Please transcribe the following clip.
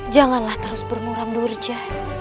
janganlah terus bermuram durce